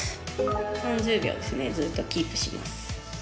３０秒ずーっとキープします。